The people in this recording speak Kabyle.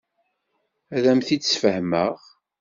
Ad am-t-id-sfehmeɣ.